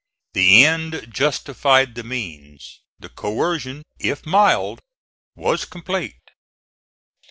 The end justified the means. The coercion, if mild, was complete.